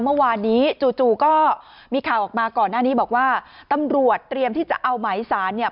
เมื่อวานนี้จู่จู่ก็มีข่าวออกมาก่อนหน้านี้บอกว่าตำรวจเตรียมที่จะเอาหมายสารเนี่ย